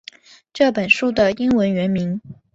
这本书的英文原名